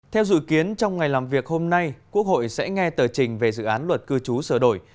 theo dự kiến trong ngày làm việc hôm nay quốc hội sẽ nghe tờ trình về dự án luật cư trú sửa đổi